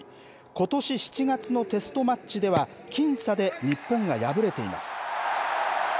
ことし７月のテストマッチでは僅差で日本が敗れています。